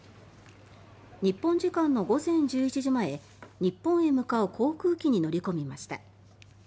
日本時間の午前１１時前日本へ向かう航空機に乗り込みました。